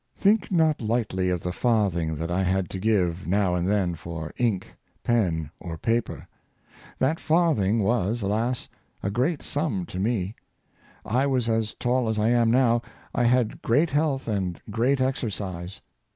Think not lightly of the farthing that I had to give, now and then, for ink, pen, or paper ! That farthing was, alas ! a great sum to me ! I was as tall as I am now; I had great health and great exercise.